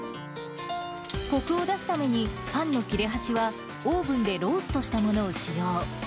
こくを出すために、パンの切れ端はオーブンでローストしたものを使用。